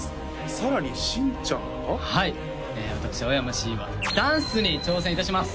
さらに新ちゃんがはい私青山新はダンスに挑戦いたします！